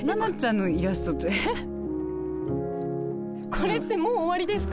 これってもう終わりですか？